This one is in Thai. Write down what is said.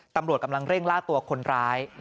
ตำรวจกำลังเร่งล่าตัวคนร้าย